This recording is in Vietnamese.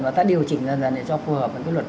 và ta điều chỉnh dần dần để cho phù hợp với cái luật